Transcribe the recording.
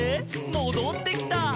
もどってきた」